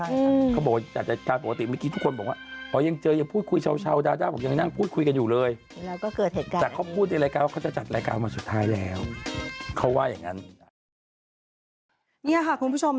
นี่ค่ะครับคุณผู้ชม